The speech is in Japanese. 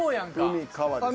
海川です。